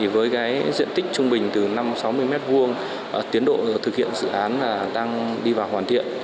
với diện tích trung bình từ năm sáu mươi m hai tiến độ thực hiện dự án đang đi vào hoàn thiện